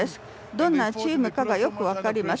どんなチームかがよく分かります。